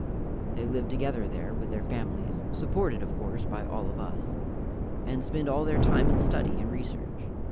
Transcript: They live together there with their families (supported of course by all of us) and spend all their time in study and research.